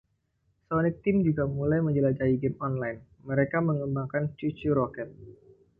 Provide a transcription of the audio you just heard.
Sonic Team juga mulai menjelajahi game online; mereka mengembangkan ChuChu Rocket!